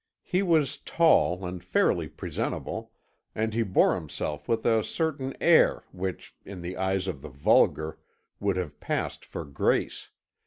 He was tall and fairly presentable, and he bore himself with a certain air which, in the eyes of the vulgar, would have passed for grace.